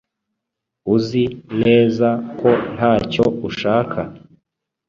Uzi neza ko ntacyo ushaka?